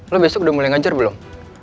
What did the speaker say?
lo besok udah mulai ngajar belum